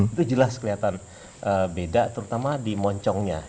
itu jelas kelihatan beda terutama di moncongnya